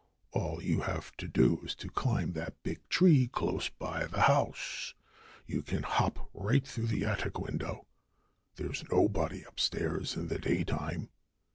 All you have to do is to climb that big tree close by the house. And you can hop right through the attic window. There's nobody upstairs in the daytime.